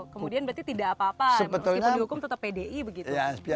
kemudian berarti tidak apa apa meskipun dihukum tetap pdi begitu